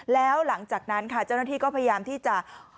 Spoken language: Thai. แล้วหลังจากนั้นค่ะเจ้าหน้าที่ก็พยายามที่จะ